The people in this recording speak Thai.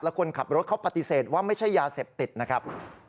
คนขับรถเขาปฏิเสธว่าไม่ใช่ยาเสพติดนะครับ